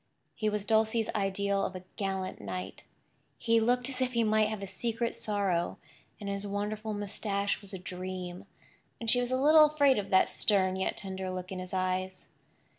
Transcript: He was Dulcie's ideal of a gallant knight. He looked as if he might have a secret sorrow, and his wonderful moustache was a dream, and she was a little afraid of that stern yet tender look in his eyes.